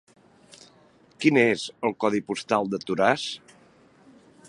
Quin és el codi postal de Toràs?